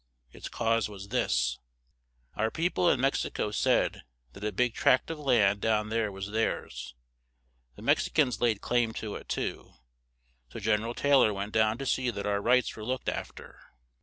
Its cause was this: Our peo ple in Mex i co said that a big tract of land down there was theirs; the Mex i cans laid claim to it too; so Gen er al Tay lor went down to see that our rights were looked af ter.